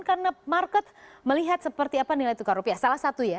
karena market melihat seperti apa nilai tukar rupiah salah satu ya